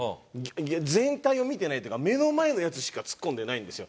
全体を見てないというか目の前のやつしかツッコんでないんですよ。